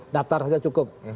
daftar saja cukup